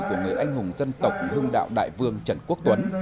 của người anh hùng dân tộc hưng đạo đại vương trần quốc tuấn